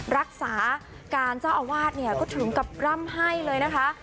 รักษาการเจ้าอาวาสเนี่ยก็ถึงกับร่ำให้เลยนะคะ